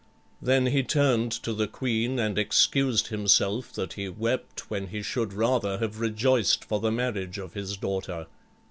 Then he turned to the queen and excused himself that he wept when he should rather have rejoiced for the marriage of his daughter.